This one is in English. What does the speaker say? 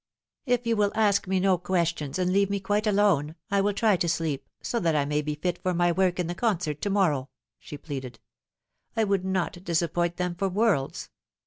" If you will ask me no questions, and leave me quite alone, I will try to sleep, so that I may be fit for my work in the con cert to morrow," she pleaded. "I would not disappoint them for worlds."